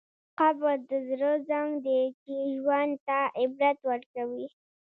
قبر د زړه زنګ دی چې ژوند ته عبرت ورکوي.